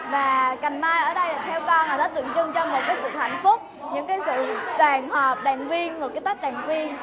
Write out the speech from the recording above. và cành mai ở đây là theo con là tượng trưng cho một sự hạnh phúc những sự đàn hợp đàn viên một tách đàn viên